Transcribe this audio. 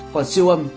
còn siêu âm